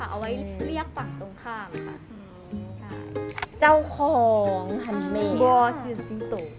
เอาไว้เรียกฝั่งตรงข้างค่ะอืมใช่จ้าวของขอบคุณค่ะ